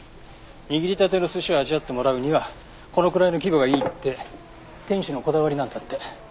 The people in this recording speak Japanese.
握りたての寿司を味わってもらうにはこのくらいの規模がいいって店主のこだわりなんだって。